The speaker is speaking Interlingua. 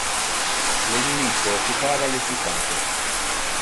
Le inimico occupava le citate.